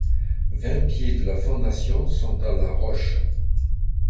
Vingt pieds de la fondation sont dans la roche.